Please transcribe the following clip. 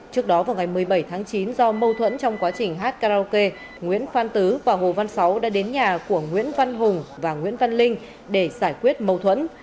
trước đó vào ngày một mươi bảy tháng chín do mâu thuẫn trong quá trình hát karaoke nguyễn phan tứ và hồ văn sáu đã đến nhà của nguyễn văn hùng và nguyễn văn linh để giải quyết mâu thuẫn